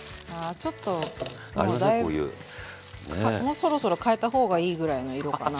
もうそろそろ変えた方がいいぐらいの色かな。